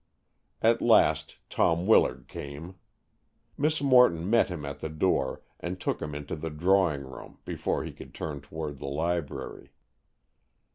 At last Tom Willard came. Miss Morton met him at the door, and took him into the drawing room before he could turn toward the library.